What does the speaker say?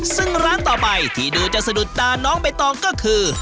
ซึ่งร้านต่อไปที่ดูจะสะดุดตาน้องใบตองก็คือ